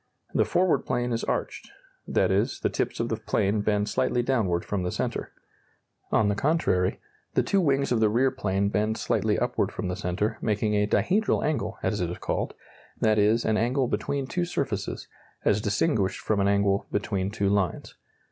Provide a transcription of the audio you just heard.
The forward plane is arched; that is, the tips of the plane bend slightly downward from the centre. On the contrary, the two wings of the rear plane bend slightly upward from the centre, making a dihedral angle, as it is called; that is, an angle between two surfaces, as distinguished from an angle between two lines.